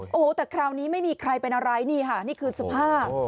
โอ้โหแต่คราวนี้ไม่มีใครเป็นอะไรนี่ค่ะนี่คือสภาพ